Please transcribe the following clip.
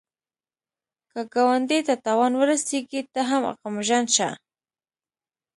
که ګاونډي ته تاوان ورسېږي، ته هم غمژن شه